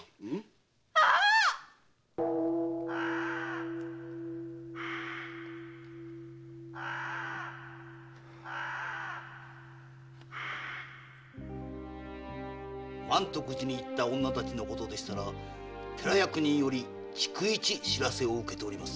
ああーっ‼満徳寺に行った女たちのことでしたら寺役人より逐一報せを受けております。